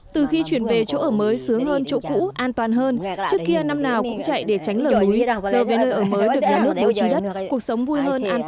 từ khi chuyển về chỗ ở mới sướng hơn chỗ cũ an toàn hơn trước kia năm nào cũng chạy để tránh lở núi